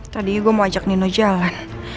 tadi gue mau ajak nino jalan